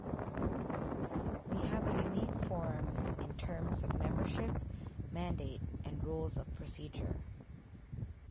We have a unique forum in terms of membership, mandate and rules of procedure.